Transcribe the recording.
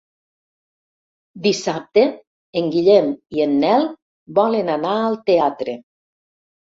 Dissabte en Guillem i en Nel volen anar al teatre.